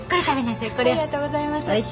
ありがとうございます。